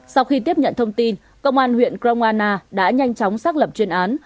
sau khi tiếp nhận thông tin công an huyện cromana đã nhanh chóng xác lập chuyên án